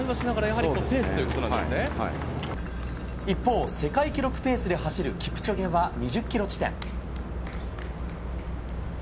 一方、世界記録ペースで走るキプチョゲは２０ｋｍ地点。